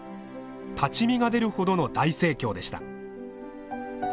立ち見が出るほどの大盛況でした。